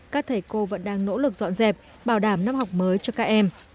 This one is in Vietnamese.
các thầy cô vẫn đang nỗ lực dọn dẹp bảo đảm năm học mới cho các em